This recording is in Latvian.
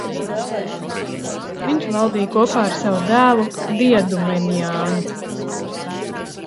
Viņš valdīja kopā ar savu dēlu Diadumeniānu.